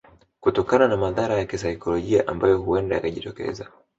Kutokana na madhara ya kisaikolojia ambayo huenda yakajitokeza